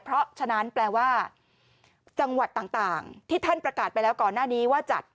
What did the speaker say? เพราะฉะนั้นแปลว่าจังหวัดต่างที่ท่านประกาศไปแล้วก่อนหน้านี้ว่าจัด